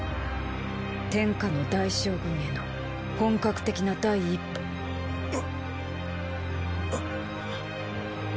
天下の大将軍への“本格的”な第一歩。っ！